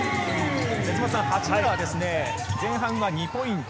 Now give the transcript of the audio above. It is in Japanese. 八村は前半、２ポイント。